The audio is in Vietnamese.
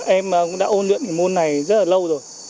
em cũng đã ôn luyện môn này rất là lâu rồi